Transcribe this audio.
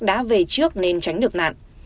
đã về trước nên tránh được nạn